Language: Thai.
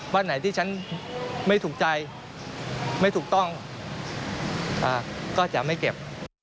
วันไหนที่ฉันไม่ถูกใจไม่ถูกต้องก็จะไม่เก็บ